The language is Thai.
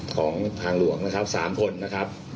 ของทางหลวงนะครับ๓คนนะครับ